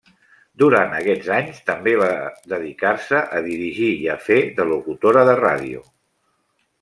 Durant aquests anys també va dedicar-se a dirigir i a fer de locutora de ràdio.